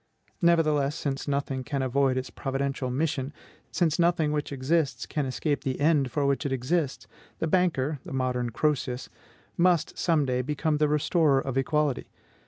Nevertheless, since nothing can avoid its providential mission, since nothing which exists can escape the end for which it exists the banker (the modern Croesus) must some day become the restorer of equality.